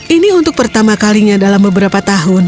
ini untuk pertama kalinya dalam beberapa tahun